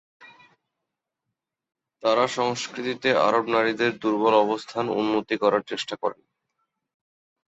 তারা সংস্কৃতিতে আরব নারীদের দুর্বল অবস্থান উন্নত করার চেষ্টা করেন।